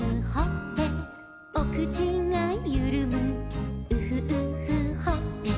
「おくちがゆるむウフウフほっぺ」